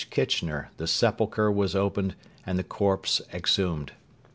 Kitchener the sepulchre was opened and the corpse exhumed.